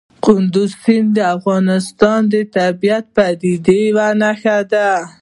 کندز سیند د افغانستان د طبیعي پدیدو یو رنګ دی.